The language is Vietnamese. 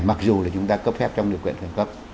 mặc dù là chúng ta cấp phép trong điều kiện khẩn cấp